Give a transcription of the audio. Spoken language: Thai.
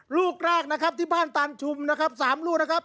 ลูกแรกที่บ้านต่างชุมสามลูก